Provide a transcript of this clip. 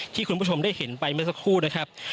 ที่คุณผู้ชมได้เห็นไหมวันนี้ก็พูดนะครับ